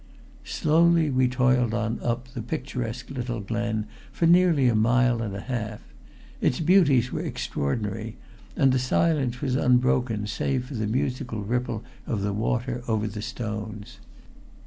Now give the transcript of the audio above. Slowly we toiled on up the picturesque little glen for nearly a mile and a half. Its beauties were extraordinary, and the silence was unbroken save for the musical ripple of the water over the stones.